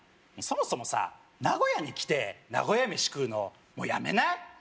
そもそもさ名古屋に来て名古屋飯食うのもうやめない？